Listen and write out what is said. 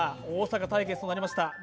大阪対決となりました